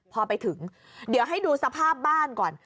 พอไปถึงเดี๋ยวให้ดูสภาพบ้านก่อน